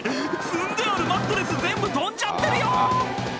積んであるマットレス全部飛んじゃってるよ！」